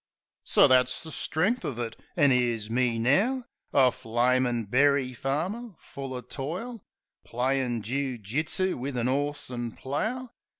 So that's the strength of it. An' 'ere's me now A flamin' berry farmer, full o' toil ; Playin' joo jitsoo wiv an 'orse an' plough.